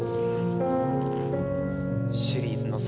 シリーズの先